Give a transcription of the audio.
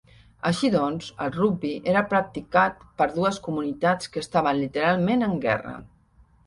Així doncs, el rugbi era practicat per dues comunitats que estaven literalment en guerra.